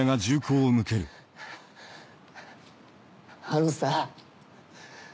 あのさ。